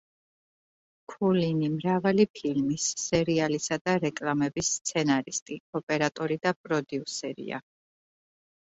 ქულინი მრავალი ფილმის, სერიალისა და რეკლამების სცენარისტი, ოპერატორი და პროდიუსერია.